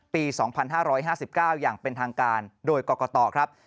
ปี๒๕๕๙อย่างเป็นทางการโดยกรกตครับ